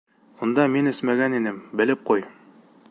Унда мин эсмәгән инем, белеп ҡуй.